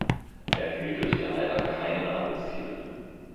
Er erhielt durch die Heirat keinen Adelstitel.